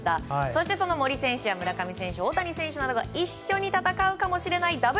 そしてその森選手や村上選手大谷選手が一緒に戦うかもしれないＷＢＣ